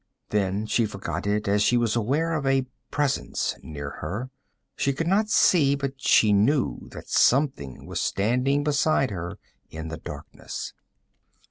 Then she forgot it as she was aware of a presence near her. She could not see, but she knew that something was standing beside her in the darkness.